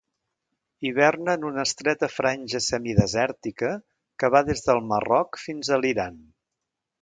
Hiverna en una estreta franja semidesèrtica que va des del Marroc fins a l'Iran.